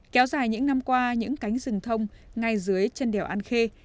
kéo dài những năm qua những cánh rừng thông ngay dưới chân đèo an khê